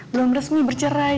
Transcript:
belum resmi bercerai